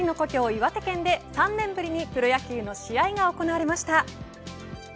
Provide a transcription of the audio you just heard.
岩手県で３年ぶりにプロ野球の試合が行われました。